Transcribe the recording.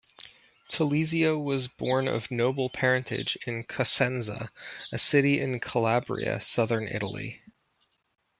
Telesio was born of noble parentage in Cosenza, a city in Calabria, Southern Italy.